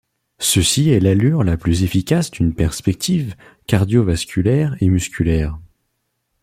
Ceci est l'allure la plus efficace d'une perspective cardiovasculaire et musculaire.